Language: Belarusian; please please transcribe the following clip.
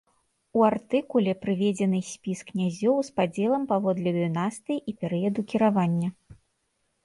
У артыкуле прыведзены спіс князёў з падзелам паводле дынастыі і перыяду кіравання.